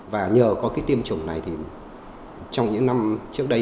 và nhờ có cái tiêm chủng này thì trong những năm trước đây